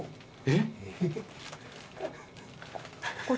えっ？